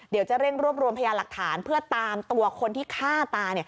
เดี๋ยวจะเร่งรวบรวมพยาหลักฐานเพื่อตามตัวคนที่ฆ่าตา